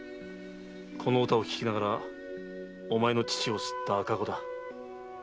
この歌を聞きながらおまえの乳を吸った赤子だ。